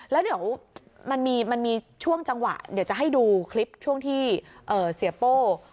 แล้วเดี๋ยวมันมีช่วงจังหวะเดี๋ยวจะให้ดูคลิปช่วงที่เสียโป้